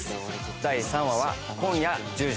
第３話は今夜１０時です。